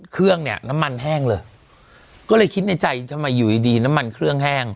เครื่องเนี่ยน้ำมันแห้งเลยก็เลยคิดในใจทำไมอยู่ดีดีน้ำมันเครื่องแห้ง